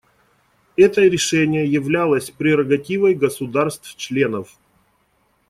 Это решение являлось прерогативой государств-членов.